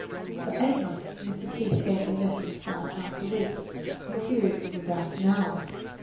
For eight months Mr. Keith gave me lessons five times a week, in periods of about an hour.